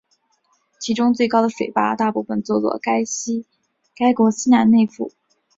其中最高的水坝大部分坐落该国西南内腹。